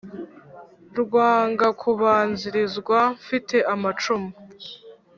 Rwanga kubanzilizwa mfite amacumu,